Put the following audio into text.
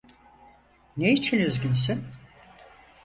Ne için üzgünsün?